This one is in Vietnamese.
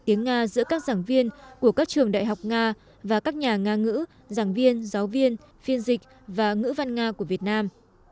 tiếng nga giữa các giảng viên của các trường đại học nga và các nhà nga ngữ giảng viên giáo viên phiên dịch và ngữ văn nga của việt nam